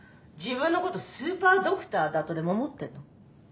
自分のことスーパードクターだとでも思ってんの？